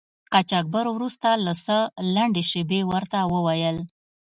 قاچاقبر وروسته له څه لنډې شیبې ورته و ویل.